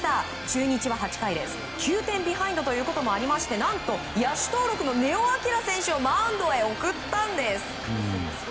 中日は８回、９点ビハインドということもありまして何と、野手登録の根尾昂選手をマウンドへ送ったんです。